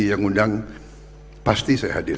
yang undang pasti saya hadir